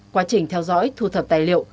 quá trình theo dõi thu thập tài liệu